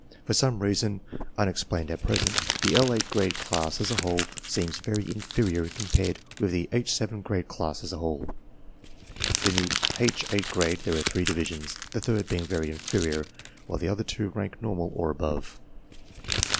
For some reason, un explained at present, the L 8 grade class as a whole seems very inferior compared with the H 7 grade class as a whole. In the H 8 grade there are three divisions, the third being very inferior, while the other two rank normal or above.